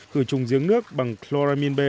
khử trùng giếng nước bằng chloramine b